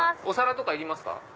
お皿とかいりますか？